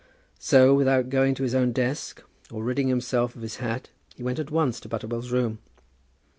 So, without going to his own desk, or ridding himself of his hat, he went at once to Butterwell's room.